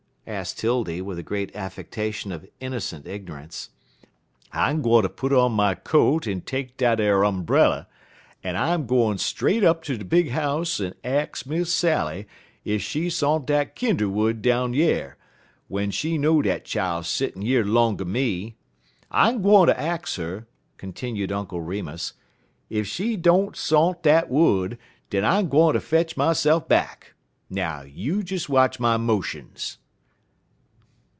asked 'Tildy, with a great affectation of innocent ignorance. "I'm gwine ter put on my coat en take dat ar umbrell', en I'm gwine right straight up ter de big house en ax Miss Sally ef she sont dat kinder wud down yer, w'en she know dat chile sittin' yer 'longer me. I'm gwine ter ax her," continued Uncle Remus, "en if she ain't sont dat wud, den I'm gwine ter fetch myse'f back. Now, you des watch my motions."